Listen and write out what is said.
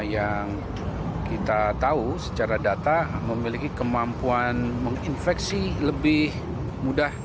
yang kita tahu secara data memiliki kemampuan menginfeksi lebih mudah